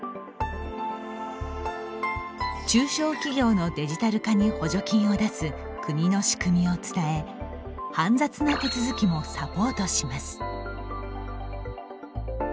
中小企業のデジタル化に補助金を出す国の仕組みを伝え煩雑な手続きもサポートします。